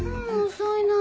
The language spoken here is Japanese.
遅いなぁ。